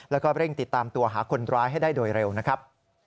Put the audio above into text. แล้วก็เร่งติดตามตัวหาคนร้ายให้ได้โดยเร็วนะครับ